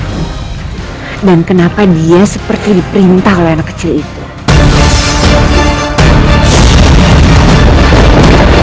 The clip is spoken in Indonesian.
buktikanlah kesetiaanmu padaku surakarta